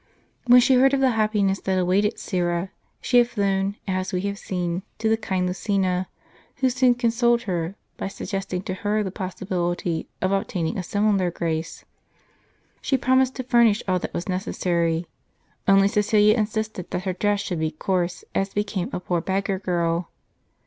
When she heard of the happiness that awaited Syra, she had flown, as we have seen, to the kind Lucina, who soon consoled her, by suggesting to her the possi bility of obtaining a similar grace. She promised to furnish all that was necessary ; only Cecilia insisted that her dress should be coarse, as became a poor beggar girl.